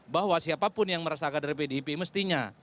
bahwa siapapun yang merasa kader pdip mestinya